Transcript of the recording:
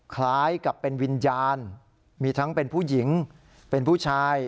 คล้ายกับเป็นวิญญาณมีทั้งเป็นผู้หญิงเป็นผู้ชาย